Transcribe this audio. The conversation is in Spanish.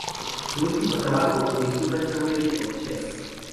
Su último trabajo, "The Human Comedy Of Chess.